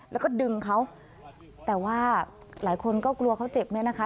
แล้วก็ดึงเขาแต่ว่าหลายคนก็กลัวเขาเจ็บเนี่ยนะคะ